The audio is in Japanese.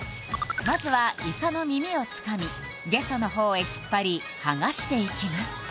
まずはイカの耳をつかみゲソの方へ引っ張りはがしていきます